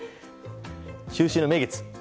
中秋の名月！